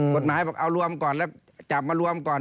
กฎหมายบอกเอารวมก่อนแล้วจับมารวมก่อน